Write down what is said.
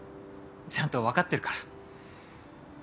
ちゃんと分かってるから。